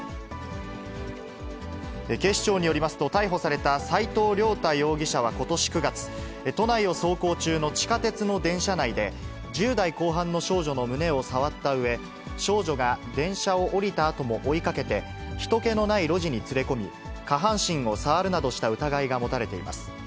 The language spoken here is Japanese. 警視庁によりますと、逮捕された斎藤涼太容疑者はことし９月、都内の走行中の地下鉄の電車内で、１０代後半の少女の胸を触ったうえ、少女が電車を降りたあとも追いかけて、ひと気のない路地に連れ込み、下半身を触るなどした疑いが持たれています。